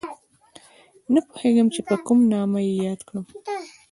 نه پوهېږم چې په کوم نامه یې یاد کړم